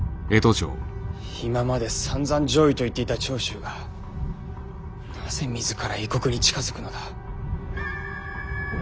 今までさんざん攘夷と言っていた長州がなぜ自ら異国に近づくのだ？